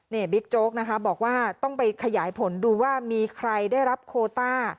นี่บิ๊กโจ๊กนะคะบอกว่าต้องไปขยายผลดูว่ามีใครได้รับโคต้า